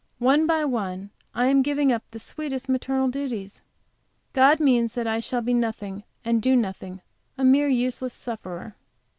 One by one I am giving up the sweetest maternal duties. God means that I shall be nothing and do nothing; a mere useless sufferer.